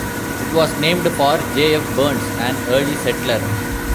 It was named for J. F. Burns, an early settler.